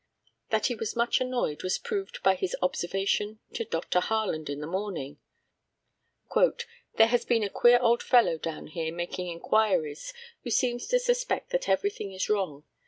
That he was much annoyed was proved by his observation to Dr. Harland in the morning "There has been a queer old fellow down here making inquiries, who seems to suspect that everything is wrong.